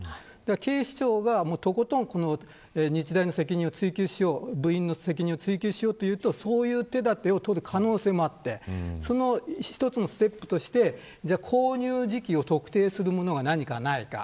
警視庁が、とことん日大の責任を追及しよう部員の責任を追及しようということになるとそういう手だてを取る可能性もあってその１つのステップとして購入時期を特定するものが何かないか。